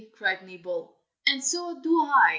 cried Nibble. "And so do I!"